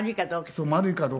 そう。